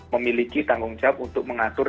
memiliki tanggung jawab untuk mengatur